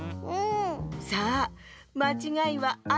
さあまちがいはあと１つ。